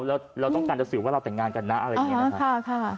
แล้วเราต้องการจะสื่อว่าเราแต่งงานกันนะอะไรอย่างเงี้ยนะคะค่ะค่ะ